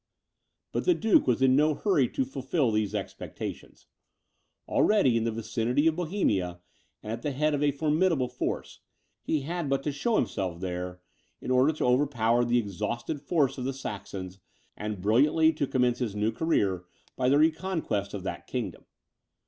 But the duke was in no hurry to fulfil these expectations. Already in the vicinity of Bohemia, and at the head of a formidable force, he had but to show himself there, in order to overpower the exhausted force of the Saxons, and brilliantly to commence his new career by the reconquest of that kingdom.